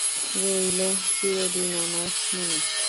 রইল চিরদিন আমার মনে।